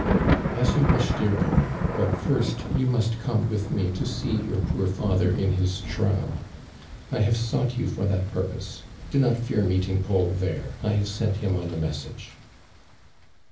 "As you wish, dear Ai mand, but, first, you must come with me to see your poor father in his shroud. I have sought you for that purpose. Do not fear meeting Paul there, I have sent him on a message.''